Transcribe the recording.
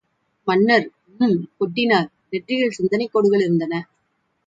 மன்னர் ம்! கொட்டினார்.நெற்றியில் சிந்தனைக் கோடுகள் இருந்தன!